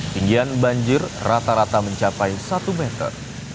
tinggian banjir rata rata mencapai satu meter